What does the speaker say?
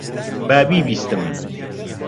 با بیبیستم.